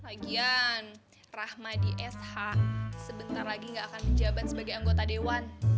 lagian rahmadi esha sebentar lagi gak akan menjabat sebagai anggota dewan